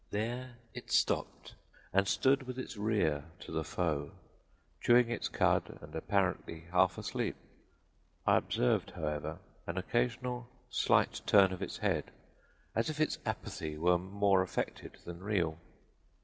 There it stopped and stood with its rear to the foe, chewing its cud and apparently half asleep. I observed, however, an occasional slight turn of its head, as if its apathy were more affected than real.